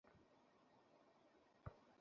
ঘরে, কেন?